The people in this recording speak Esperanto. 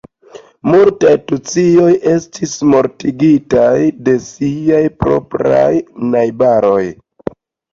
Multaj tucioj estis mortigitaj de siaj propraj najbaroj.